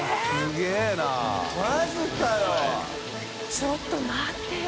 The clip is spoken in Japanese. ちょっと待ってよ。